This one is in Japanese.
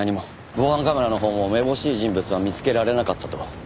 防犯カメラのほうもめぼしい人物は見つけられなかったと。